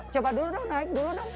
coba dulu deh naik dulu dong